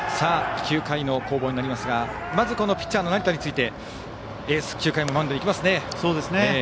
９回の攻防になりますがまずピッチャーの成田についてエースが９回もマウンドに行きますね。